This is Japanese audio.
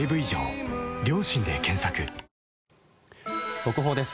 速報です。